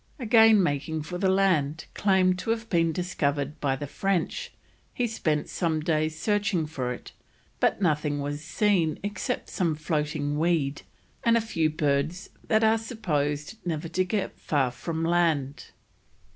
Again making for the land claimed to have been discovered by the French, he spent some days searching for it, but nothing was seen except some floating weed and a few birds that are supposed never to get far away from land.